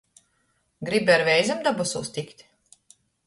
Gribi ar veizem dabasūs tikt.